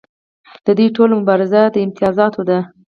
د دوی ټوله مبارزه د امتیازاتو ده.